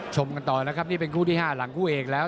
ชมกันต่อนะครับมวยพี่เป็นที่๕หลังคู่เอกแล้ว